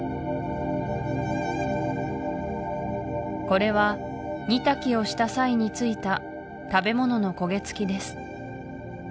これは煮炊きをした際についた食べ物の焦げつきです